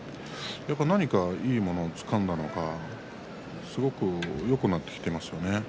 何か、いいものをつかんだのかすごくよくなってきていますね。